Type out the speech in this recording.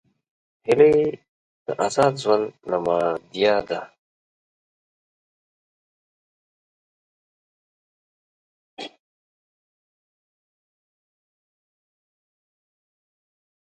هیلۍ د آزاد ژوند نمادیه ده